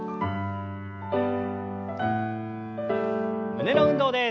胸の運動です。